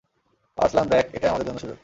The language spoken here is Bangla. আর্সলান দেখ, এটাই আমাদের জন্য সুযোগ।